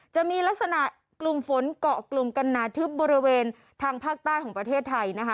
จะมีลักษณะกลุ่มฝนเกาะกลุ่มกันหนาทึบบริเวณทางภาคใต้ของประเทศไทยนะคะ